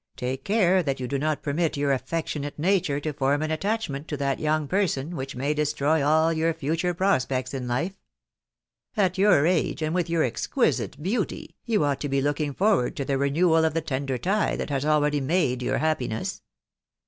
take care that you do not permit your affectionate nature to fornv an attachment to that young person which may destroy all your future prospects in life !.... At your age, and with your exquisite beauty, you ought to be looking forward to the re newal of the tender tie that has already made your happiness !,....